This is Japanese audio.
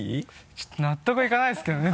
ちょっと納得いかないですけどね